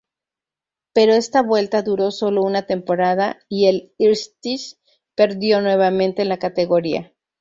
Pero esta vuelta duró solo una temporada y el Irtysh perdió nuevamente la categoría.